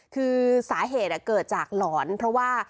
คือสาเหตุเกิดจากหลอนเพราะว่า